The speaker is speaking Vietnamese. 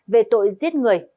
về tội giết người